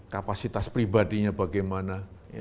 kapasitas pribadinya bagaimana